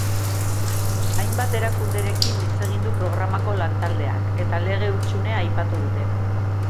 Hainbat erakunderekin hitz egin du programako lantaldeak, eta lege-hutsunea aipatu dute.